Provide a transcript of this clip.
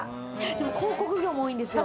でも広告業も多いんですよ。